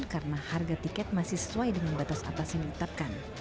karena harga tiket masih sesuai dengan batas atas yang ditetapkan